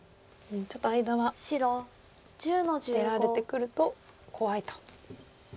ちょっと間は出られてくると怖いと。